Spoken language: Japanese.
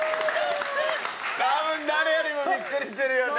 多分誰よりもビックリしてるよね。